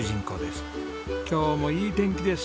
今日もいい天気です。